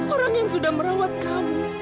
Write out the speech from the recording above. orang yang sudah merawat kamu